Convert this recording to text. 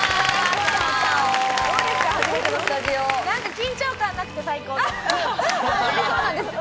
緊張感なくて最高です。